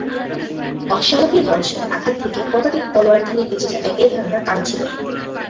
অশ্বারোহীর বর্শার আঘাত থেকে পদাতিক তলোয়ারধারী বেঁচে যাবে এ ধারণা কারোর ছিল না।